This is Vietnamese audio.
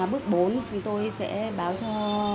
bước bốn chúng tôi sẽ báo cho một trăm một mươi bốn